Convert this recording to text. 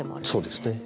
そうですね。